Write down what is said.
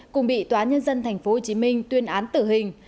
cùng bị tòa nhân dân tp hcm tuyên án tử hình